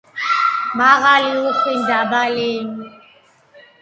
მაღალი, უხვი, მდაბალი